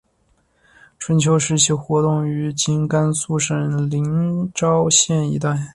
春秋时期活动于今甘肃省临洮县一带。